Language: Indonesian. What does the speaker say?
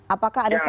apakah ada santunan